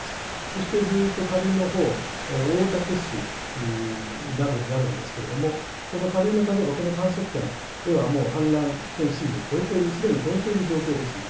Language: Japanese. そしてずっと下流のほう、大竹市などになるんですけれども、この下流の観測点ではもう氾濫危険水位を超えている、すでに超えている状況ですね。